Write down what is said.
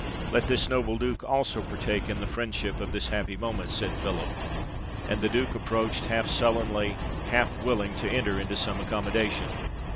"Let this noble Duke also partake in the friendship of this happy moment," said Philip; and the Duke approached half sullenly, half willing to enter into some accommodation.